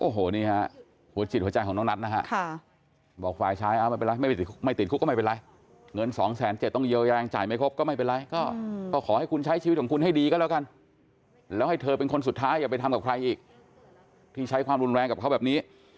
โอ้โหนี่ฮะหัวจิตหัวใจของน้องนัทนะฮะบอกฝ่ายชายเอาไม่เป็นไรไม่ติดคุกก็ไม่เป็นไรเงิน๒๗๐๐ต้องเยียวยางจ่ายไม่ครบก็ไม่เป็นไรก็ขอให้คุณใช้ชีวิตของคุณให้ดีก็แล้วกันแล้วให้เธอเป็นคนสุดท้ายอย่าไปทำกับใครอีกที่ใช้ความรุนแรงกับเขาแบบนี้